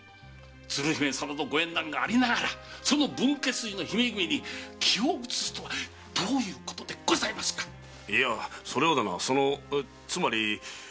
鶴姫様のご縁談がありながらその分家筋の姫君に気を移すとはどういうことでございますか⁉いやそれはだなそのつまり。